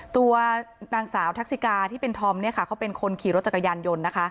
ตัวนางสาวทักษิกาที่เป็นธอมเขาเป็นคนขี่รถจักรยานยนต์นะคะ